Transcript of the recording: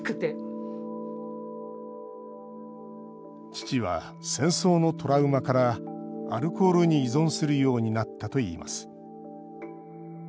父は戦争のトラウマからアルコールに依存するようになったといいます。